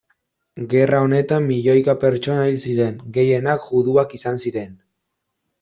Gerra honetan milioika pertsona hil ziren, gehienak juduak izan ziren.